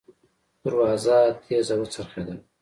دروازه تېزه وڅرخېدله.